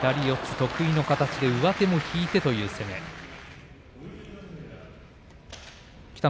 左四つ、得意の形で上手も引いてという攻めでした。